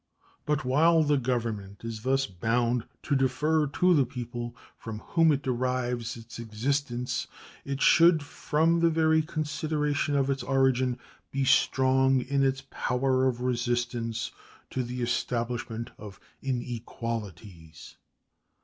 But while the Government is thus bound to defer to the people, from whom it derives its existence, it should, from the very consideration of its origin, be strong in its power of resistance to the establishment of inequalities.